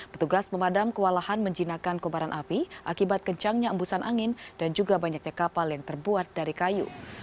petugas pemadam kewalahan menjinakan kobaran api akibat kencangnya embusan angin dan juga banyaknya kapal yang terbuat dari kayu